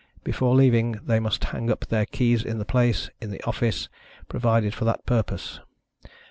Before leaving they must hang up their keys in the place, in the office, provided for that purpose.